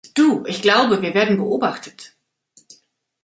Du, ich glaube, wir werden beobachtet.